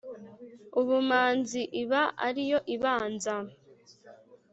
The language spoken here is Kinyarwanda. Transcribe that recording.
« ubumanzi » iba ari yo ibanza